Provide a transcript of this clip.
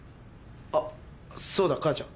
あっそうだ母ちゃん。